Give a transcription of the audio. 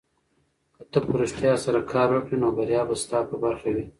که ته په رښتیا سره کار وکړې نو بریا به ستا په برخه وي.